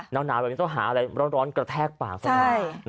หนาวแบบนี้ต้องหาอะไรร้อนกระแทกปากซะหน่อย